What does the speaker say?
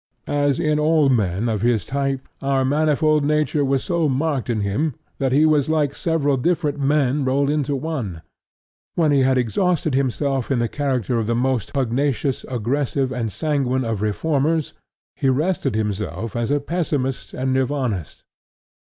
As in all men of his type, our manifold nature was so marked in him that he was like several different men rolled into one. When he had exhausted himself in the character of the most pugnacious, aggressive, and sanguine of reformers, he rested himself as a Pessimist and Nirvanist.